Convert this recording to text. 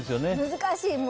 難しい。